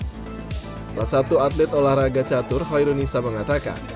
salah satu atlet olahraga catur hoirunisa mengatakan